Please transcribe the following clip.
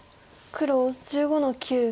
黒１５の九。